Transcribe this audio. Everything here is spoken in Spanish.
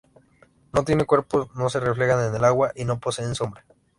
No tienen cuerpo, no se reflejan en el agua,y no poseen sombra.